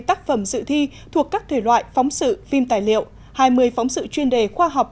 năm tác phẩm dự thi thuộc các thể loại phóng sự phim tài liệu hai mươi phóng sự chuyên đề khoa học